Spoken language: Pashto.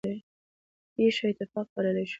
پېښه اتفاق بللی شو.